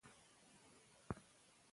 د سپین ږیرو درناوی وکړئ.